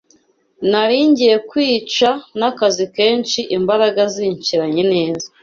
nari ngiye kwica n’akazi kenshi imbaraga zinshiranye neza